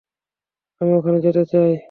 আমি ওখানে যেতে চাই।